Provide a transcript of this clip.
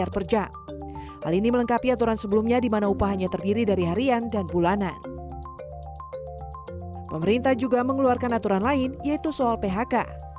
pemerintah juga mengeluarkan aturan lain yaitu soal phk